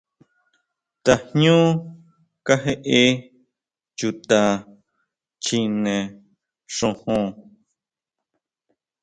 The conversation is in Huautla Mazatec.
¿Tajñu kajeʼe chuta Chjine xujun?